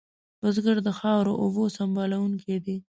بزګر د خاورو اوبو سنبالونکی دی